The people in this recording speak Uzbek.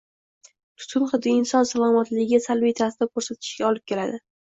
Tutun hidi inson salomatligiga salbiy ta’sir ko`rsatishiga olib keladi.